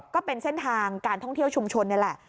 ก็เป็นเส้นทางการท่องเที่ยวชุมชนนี่แหละ